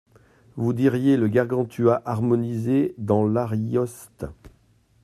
Vous diriez le Gargantua harmonisé dans l'Arioste.